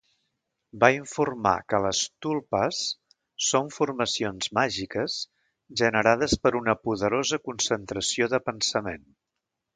Va informar que les "tulpas" són formacions màgiques generades per una poderosa concentració de pensament.